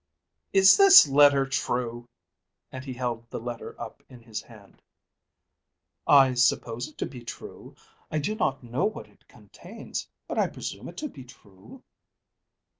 "Is this letter true?" and he held the letter up in his hand. "I suppose it to be true. I do not know what it contains, but I presume it to be true."